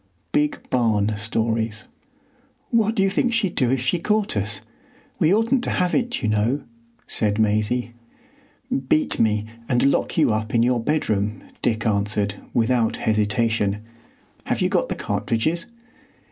—Big Barn Stories. "What do you think she'd do if she caught us? We oughtn't to have it, you know," said Maisie. "Beat me, and lock you up in your bedroom," Dick answered, without hesitation. "Have you got the cartridges?"